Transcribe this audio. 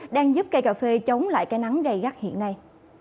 đang giúp cây cà phê chống lại cái nắng gây gắt hiện nay